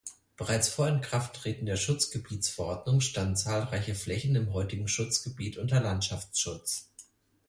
Bereits vor Inkrafttreten der Schutzgebietsverordnung standen zahlreiche Flächen im heutigen Schutzgebiet unter Landschaftsschutz.